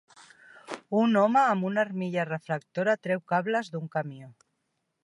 Un home amb una armilla reflectora treu cables d'un camió.